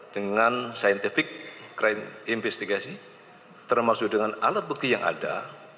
dengan scientific crime investigation termasuk dengan alat bukti yang ada